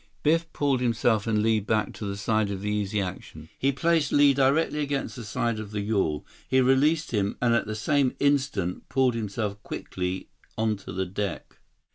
148 Biff pulled himself and Li back to the side of the Easy Action. He placed Li directly against the side of the yawl. He released him and at the same instant, pulled himself quickly onto the deck.